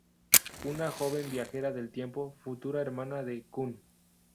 Una joven viajera del tiempo, futura hermana de Kun.